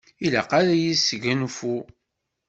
Ilaq-as ad yesgunfu.